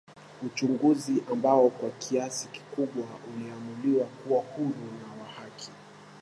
Uchaguzi ambao kwa kiasi kikubwa uliamuliwa kuwa huru na wa haki